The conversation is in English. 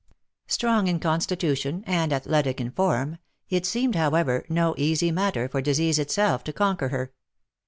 Strong in con stitution, and athletic in form, it seemed, however, no easy matter for disease itself to conquer her.